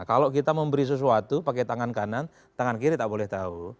kalau kita memberi sesuatu pakai tangan kanan tangan kiri tak boleh tahu